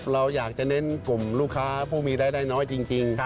เราอยากจะเน้นกลุ่มลูกค้าผู้มีรายได้น้อยจริง